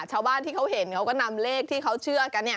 ชาวบ้านที่เขาเห็นเขาก็นำเลขที่เขาเชื่อกัน